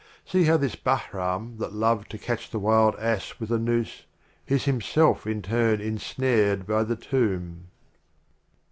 See how this Bahram that loved to catch the Wild Ass with a Noose, Is himself in turn ensnared by the Tomb!